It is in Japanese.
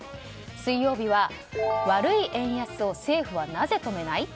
水曜日は悪い円安を政府はなぜ止めない？